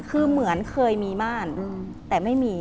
คือเหมือนเคยมีม่านแต่ไม่มี